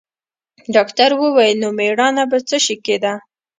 ډاکتر وويل نو مېړانه په څه کښې ده.